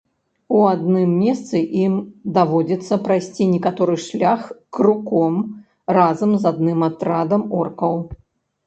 У адным месцы ім даводзіцца прайсці некаторы шлях круком разам з адным атрадам оркаў.